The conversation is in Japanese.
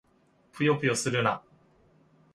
ぷよぷよするな！